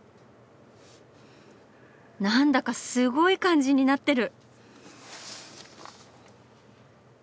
何だかすごい感じになってる！